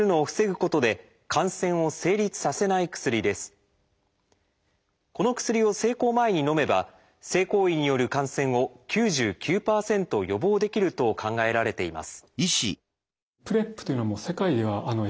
この薬を性交前にのめば性行為による感染を９９％予防できると考えられています。